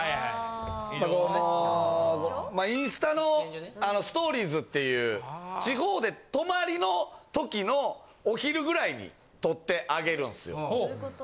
インスタのストーリーズっていう、地方で泊まりのときのお昼ぐらいに撮って上げるんですよ。